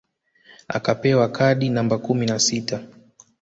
Akapewa kadi namba kumi na sita